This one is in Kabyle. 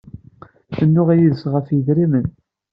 Tennuɣ yid-s ɣef yidrimen.